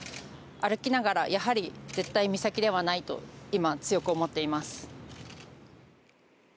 歩きながら、やはり絶対美咲ではないと、今、強く思っています。